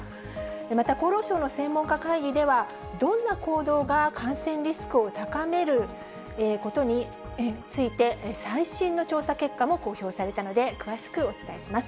また、厚労省の専門家会議では、どんな行動が感染リスクを高めることについて、最新の調査結果も公表されたので、詳しくお伝えします。